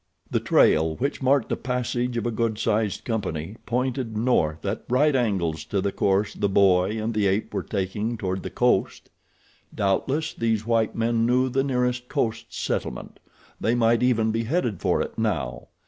The trail, which marked the passage of a good sized company, pointed north at right angles to the course the boy and the ape were taking toward the coast. Doubtless these white men knew the nearest coast settlement. They might even be headed for it now.